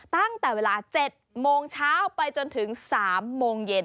ตั้งแต่เวลา๗โมงเช้าไปจนถึง๓โมงเย็น